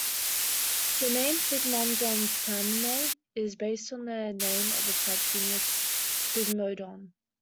The name "Sigmodontinae" is based on the name of the type genus, "Sigmodon".